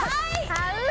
買う！